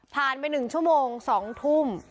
ผ่านไป๑ชั่วโมง๒ทุ่ม